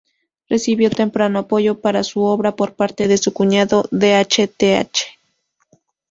Recibió temprano apoyo para su obra por parte de su cuñado D. H. Th.